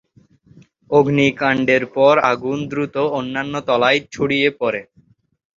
অগ্নিকাণ্ডের পর আগুন দ্রুত অন্যান্য তলায় ছড়িয়ে পরে।